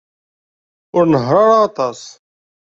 Ur tnehheṛ ara aṭas.